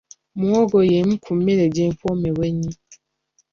Muwogo y'emu ku mmere gye mpomerwa ennyo.